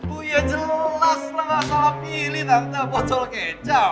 oh iya jelas lah gak salah pilih tante bocol kecap